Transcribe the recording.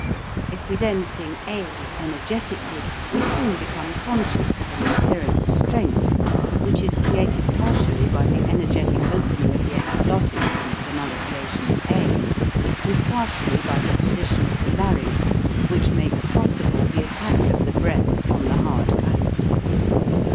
If we then sing a energeti cally we soon become conscious of an inherent strength which is created partially by the energetic opening of the epiglottis in the pro nunciation of a and partially byjbhe position of the larynx which makes possible the attack of the breath on the hard palate.